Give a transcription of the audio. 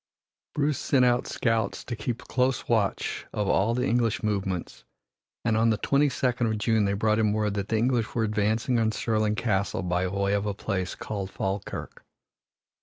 Bruce sent out scouts to keep close watch of all the English movements, and on the twenty second of June they brought him word that the English were advancing on Stirling Castle by way of a place called Falkirk.